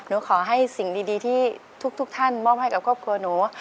ขอให้สิ่งดีที่ทุกท่านมอบให้กับครอบครัวหนู